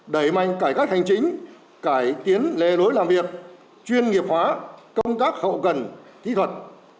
đẩy mạnh cải cách hành chính cải tiến lề lối làm việc chuyên nghiệp hóa công tác hậu cần kỹ thuật